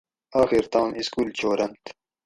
آخیر تام اِسکول چھورنت